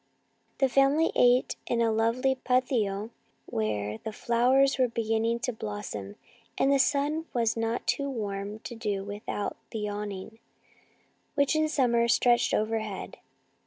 The family ate in the lovely patio where the flowers were beginning to blossom, and the sun was not too warm to do without the awning, which in summer stretched overhead.